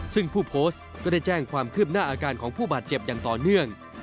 ซึ่งผู้โพสต์ก็ได้แจ้งความคืบหน้าอาการของผู้บาดเจ็บอย่างต่อเนื่อง